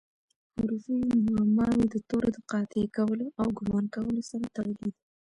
حروفي معماوي د تورو د قاطع کولو او ګومان کولو سره تړلي دي.